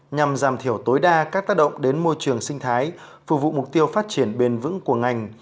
nhằm giảm thiểu tối đa các tác động đến môi trường sinh thái phục vụ mục tiêu phát triển bền vững của ngành